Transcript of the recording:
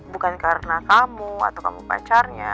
bukan karena kamu atau kamu pacarnya